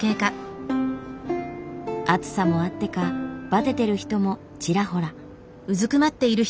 暑さもあってかばててる人もちらほら。